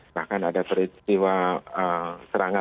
bahkan ada peristiwa serangan